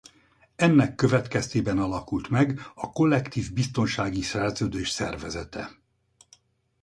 Ennek következtében alakult meg a Kollektív Biztonsági Szerződés Szervezete.